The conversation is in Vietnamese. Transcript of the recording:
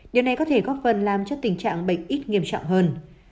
điều này có thể góp phần làm cho tình trạng bệnh ít nghiêm trọng hơn